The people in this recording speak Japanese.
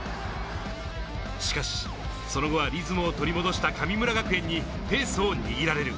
しかしその後はリズムを取り戻した神村学園にペースを握られる。